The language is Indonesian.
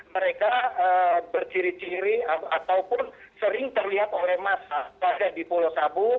mereka berciri ciri ataupun sering terlihat oleh masyarakat di pulau sabu